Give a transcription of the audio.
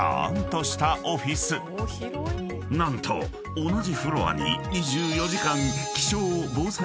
［何と同じフロアに］